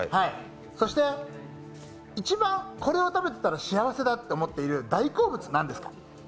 そして一番これを食べてたら幸せだって思う大好物はなんですか？